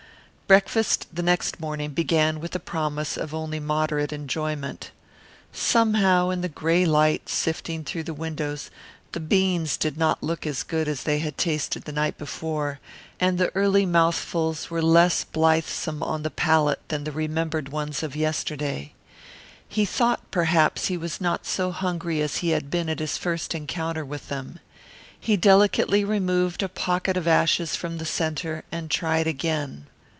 Breakfast the next morning began with the promise of only moderate enjoyment. Somehow in the gray light sifting through the windows the beans did not look as good as they had tasted the night before, and the early mouthfuls were less blithesome on the palate than the remembered ones of yesterday. He thought perhaps he was not so hungry as he had been at his first encounter with them. He delicately removed a pocket of ashes from the centre, and tried again.